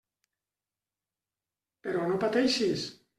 Però no pateixis.